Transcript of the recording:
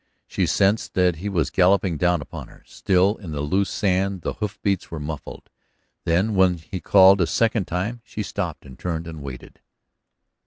She sensed that he was galloping down upon her; still in the loose sand the hoof beats were muffled. Then when he called a second time she stopped and turned and waited.